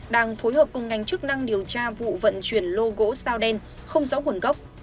đang phối hợp cùng ngành chức năng điều tra vụ vận chuyển lô gỗ sao đen không rõ nguồn gốc